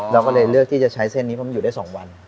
เราก็เลยเลือกที่จะใช้เส้นนี้เพราะมันอยู่ได้๒วัน